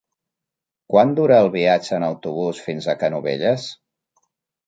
Quant dura el viatge en autobús fins a Canovelles?